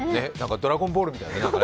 「ドラゴンボール」みたいね。